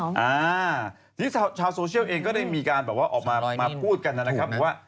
นี่ชาวโซเชียลเองก็ได้มีการออกมาพูดกันนะครับ